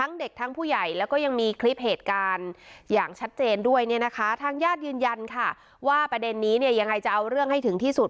นะคะทางญาติยืนยันค่ะว่าประเด็นนี้เนี่ยยังไงจะเอาเรื่องให้ถึงที่สุด